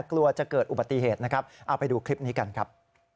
กลัวจะเกิดอุบัติเหตุนะครับเอาไปดูคลิปนี้กันครับ